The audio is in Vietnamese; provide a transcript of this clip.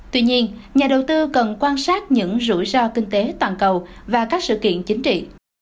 tuy nhiên nhà đầu tư cần quan sát những rủi ro kinh tế toàn cầu và các sự kiện chính trị